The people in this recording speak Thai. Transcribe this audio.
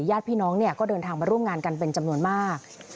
ญาติพี่น้องก็เดินทางมาร่วมงานกันเป็นจำนวนมาก